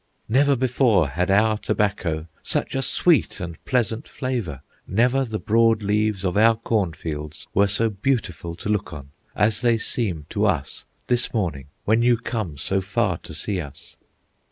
"Never before had our tobacco Such a sweet and pleasant flavor, Never the broad leaves of our cornfields Were so beautiful to look on, As they seem to us this morning, When you come so far to see us!